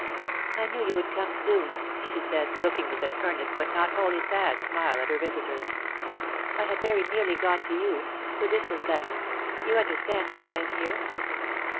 "I knew you would come soon," she said, looking with an earnest, but not wholly sad, smile at her visitor. "I had very nearly gone to you, but this was better. You understand why I am here?"